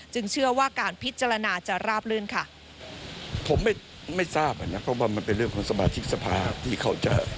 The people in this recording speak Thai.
จึงเชื่อว่าการพิจารณาจะราบลื่นค่ะ